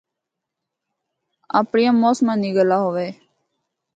اپڑیاں موسماں دی گلا ہوے۔